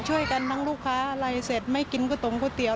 ช่วยกันบางลูกค้าอะไรเสร็จไม่กินก๋วยต๋มก๋วยเตี๋ยว